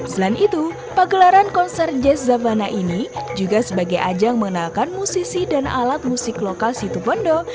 selain itu pagelaran konser jazz zabana ini juga sebagai ajang mengenalkan musisi dan alat musik lokal situbondo